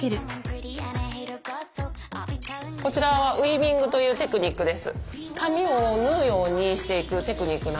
こちらは「ウィービング」というテクニックです。